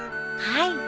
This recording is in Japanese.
はい。